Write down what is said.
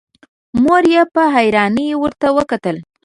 مور يې په حيرانی ورته وکتل.